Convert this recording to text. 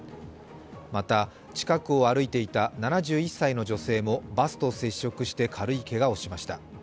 また、近くを歩いていた７１歳の女性もバスと接触して軽いけがをしました。